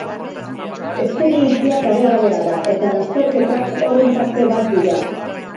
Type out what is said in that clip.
Esperientzia paregabea da eta lasterketak horren parte bat dira.